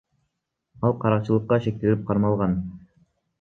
Ал каракчылыкка шектелип кармалган.